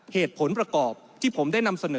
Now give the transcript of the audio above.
เหตุผลประกอบที่ผมได้นำเสนอ